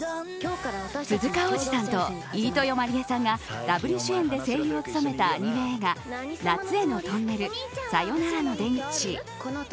鈴鹿央士さんと飯豊まりえさんがダブル主演で声優を務めたアニメ映画「夏へのトンネル、さよならの出口」。